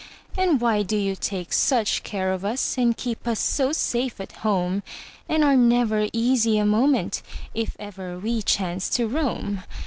And why do you take such care of us, And keep us so safe at home, And are never easy a moment If ever we chance to roam?